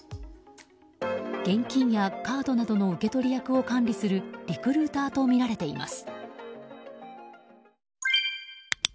現金やカードなどの受け取り役を管理するリクルーターとみられています。